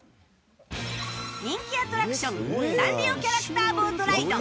人気アトラクションサンリオキャラクターボートライド。